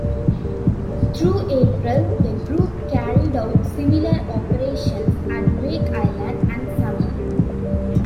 Through April the group carried out similar operations at Wake Island and Samar.